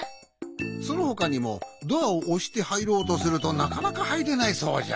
そのほかにもドアをおしてはいろうとするとなかなかはいれないそうじゃ。